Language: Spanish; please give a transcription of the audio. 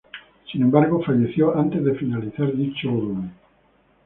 Sin embargo, falleció antes de finalizar dicho volumen.